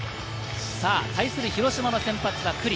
対する広島の先発は九里。